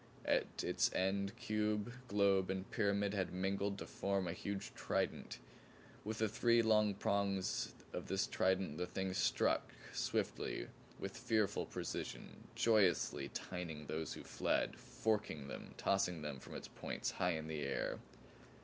At its end cube, globe and pyramid had mingled to form a huge trident. With the three long prongs of this trident the thing struck, swiftly, with fearful precision JOYOUSLY tining those who fled, forking them, tossing them from its points high in air.